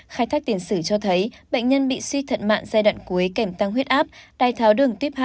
khai thác tiền sử cho thấy bệnh nhân bị suy thận mạn giai đoạn cuối kẻm tăng huyết áp đai tháo đường tuyếp hai